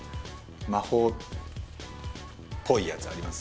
魔法っぽいやつあります？